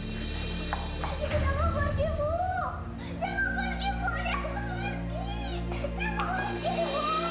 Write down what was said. ibu mesti pergi kamu sholat sama nenek kamu